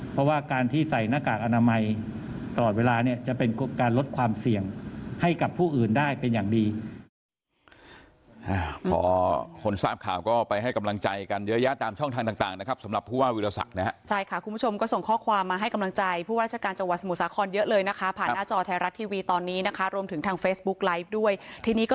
เพราะว่าการที่ใส่หน้ากากอนามัยตลอดเวลาเนี่ยจะเป็นการลดความเสี่ยงให้กับผู้อื่นได้เป็นอย่างดี